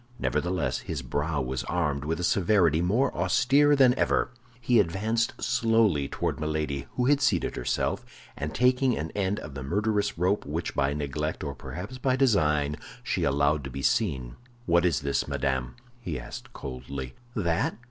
Nevertheless, his brow was armed with a severity more austere than ever. He advanced slowly toward Milady, who had seated herself, and taking an end of the murderous rope which by neglect, or perhaps by design, she allowed to be seen, "What is this, madame?" he asked coldly. "That?